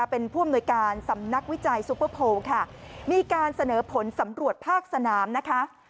เป็นผู้อำนวยการสำนักวิจัยซูเปอร์โพลค่ะมีการเสนอผลสำรวจภาคสนามนะคะ